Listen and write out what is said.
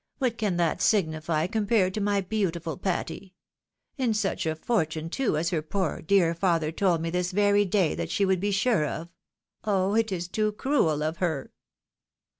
" What can that signify compared to my beautiful Patty ? And such a fortune, too, as her poor, dear father told'' me this very day that she would be sure of. Oh I it is too cruel of her